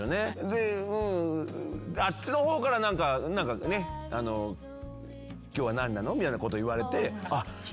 であっちの方から何かね今日は何なの？みたいなこと言われて。